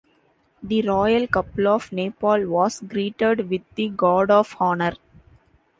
The royal couple of Nepal was greeted with the 'guard of honor'.